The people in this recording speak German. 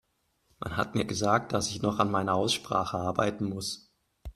Man hat mir gesagt, dass ich noch an meiner Aussprache arbeiten muss.